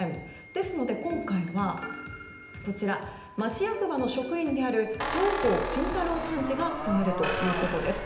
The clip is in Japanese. ですので、今回は町役場の職員である上甲新太郎参事が務めるということです。